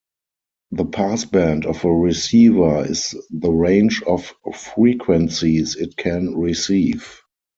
The passband of a receiver is the range of frequencies it can receive.